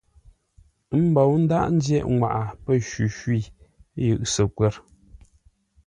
Ə́ mbǒu ndághʼ ńjyeʼ ŋwaʼa pə́ shwi-shwî yʉ Səkwə̂r.